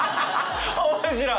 面白い！